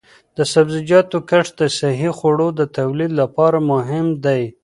د سبزیجاتو کښت د صحي خوړو د تولید لپاره مهم دی.